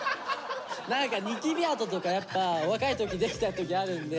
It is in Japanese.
何かニキビ痕とかやっぱ若い時できた時あるんで。